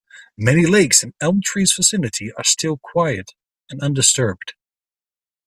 Many lakes in Elm Tree's vicinity are still quiet and undisturbed.